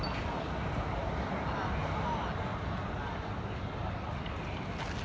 อันที่สุดท้ายก็คือภาษาอันที่สุดท้าย